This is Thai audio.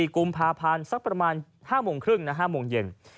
กุมภาพันธ์สักประมาณ๕โมงครึ่ง๕โมงเย็น